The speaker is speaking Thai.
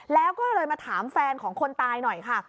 แล้วก็เลยมาถามแฟนของคนตายหน่อยค่ะ